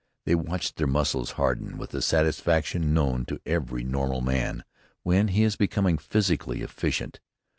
They watched their muscles harden with the satisfaction known to every normal man when he is becoming physically efficient.